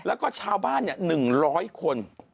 แล้วก็ชาวบ้าน๑๐๐คน